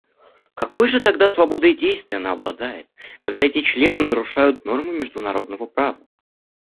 Какой же тогда свободой действий она обладает, когда эти члены нарушают нормы международного права?